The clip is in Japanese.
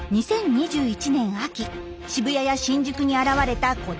２０２１年秋渋谷や新宿に現れたこちらのサル。